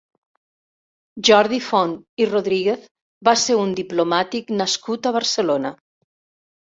Jordi Font i Rodríguez va ser un diplomàtic nascut a Barcelona.